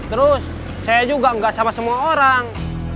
terus saya juga nggak sama semua orang